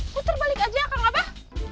puter balik aja kang abah